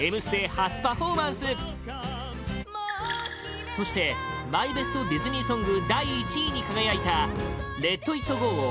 初パフォーマンスそしてＭＹＢＥＳＴディズニーソング第１位に輝いた「レット・イット・ゴー」を